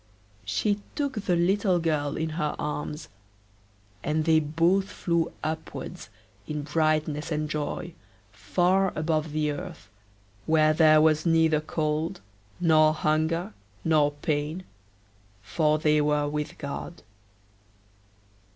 She took the little girl in her arms, and they both flew upwards in brightness and joy far above the earth, where there was neither cold nor hunger nor pain, for they were with God.